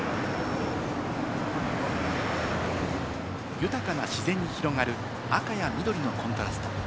豊かな自然に広がる赤や緑のコントラスト。